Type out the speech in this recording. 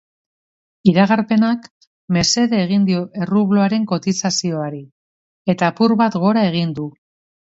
Iragarpenak mesede egin dio errubloaren kotizazioari, eta apur bat gora egin du.